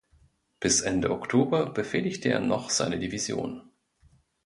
Bis Ende Oktober befehligte er noch seine Division.